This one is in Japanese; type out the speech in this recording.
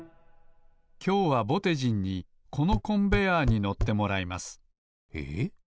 きょうはぼてじんにこのコンベアーにのってもらいますえっ？